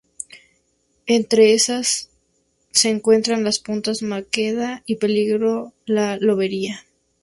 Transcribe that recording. Entre estas se encuentran, las puntas Maqueda y Peligro y La Lobería.